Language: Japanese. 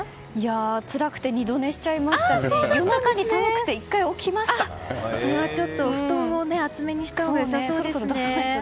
つらくて二度寝しちゃいましたしそれはちょっと布団を厚めにしたほうが良さそうですね。